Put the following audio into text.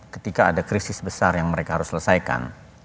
ketika ada krisis besar yang mereka harus selesaikan